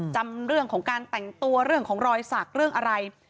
จำเรื่องของการแต่งตัวเรื่องของรอยสักเรื่องอะไร